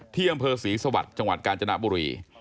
ที่อำเภอศรีสวัสดิ์จังหวัดกาญจนบุรี